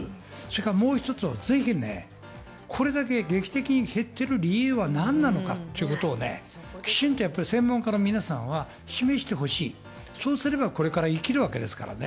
もう一つはぜひ、これだけ劇的に減ってる理由は何なのかっていうことをきちっと専門家の皆さんは示してほしい、そうすれば、これからいきるわけですからね。